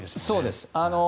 そうです。